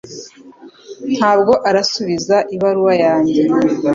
Ntabwo arasubiza ibaruwa yanjye